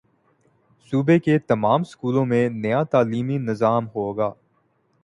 صوبے کے تمام سکولوں میں نیا تعلیمی نظام ہوگا